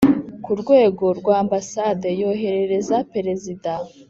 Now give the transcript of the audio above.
ku rwego rwa Ambasade yoherereza Perezida